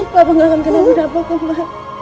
papa gak akan kena budapok koma